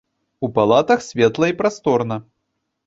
У палатах светла і прасторна.